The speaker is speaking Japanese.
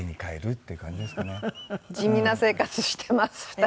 地味な生活してます２人。